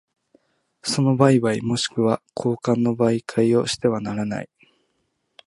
その売買若しくは交換の媒介をしてはならない。